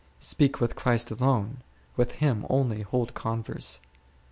speak with Christ alone, with Him only hold converse.